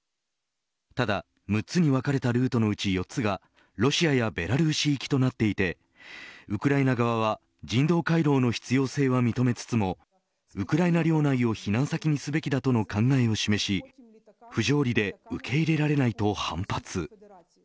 ただ６つに別れたルートのうち４つがロシアやベラルーシ行きとなっていてウクライナ側は人道回廊の必要性は認めつつもウクライナ領内を避難先にすべきだとの考えを示し不条理で受け入れられないと反発。